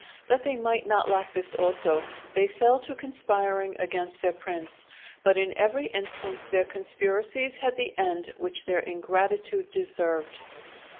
That they might not lack this also, they fell to conspiring against their prince; but in every instance their conspiracies had the end which their ingratitude deserved.